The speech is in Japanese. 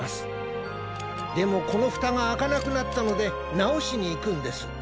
でもこのふたがあかなくなったのでなおしにいくんです。